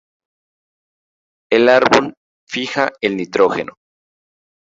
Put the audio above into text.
El árbol fija el nitrógeno.